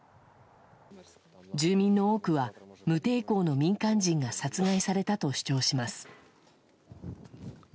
住民の多くは無抵抗の民間人が殺害されたと主張します。